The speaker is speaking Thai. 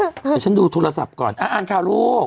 เดี๋ยวฉันดูโทรศัพท์ก่อนอ่านข่าวลูก